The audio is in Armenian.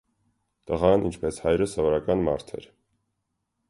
Տղան, ինչպես հայրը, սովորական մարդ էր։